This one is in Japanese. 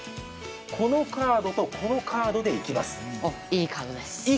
このカードとこのカードでいきます。